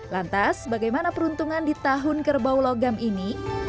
lantas bagaimana peruntungan di tahun kerbau logam ini